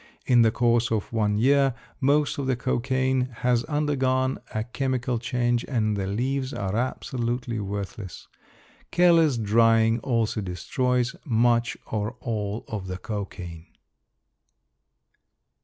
In the course of one year most of the cocaine has undergone a chemical change and the leaves are absolutely worthless. Careless drying also destroys much or all of the cocaine.